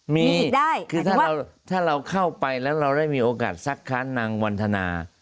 มีคือถ้าเราเข้าไปแล้วเราได้มีโอกาสซักค้านนางวันธนา